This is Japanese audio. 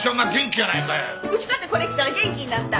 うちかてこれ着たら元気になった。